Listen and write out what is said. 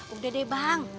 udah deh bang